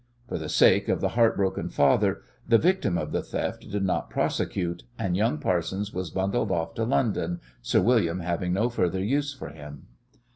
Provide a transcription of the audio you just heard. For the sake of the heart broken father the victim of the theft did not prosecute, and young Parsons was bundled off to London, Sir William having no further use for him.